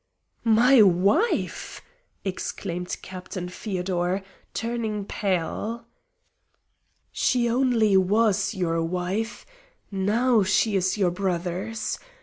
"My wife!" exclaimed Captain Feodor, turning pale. "She only was your wife. Now she is your brother's.